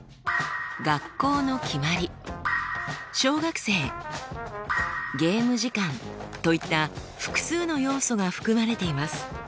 「学校の決まり」「小学生」「ゲーム時間」といった複数の要素が含まれています。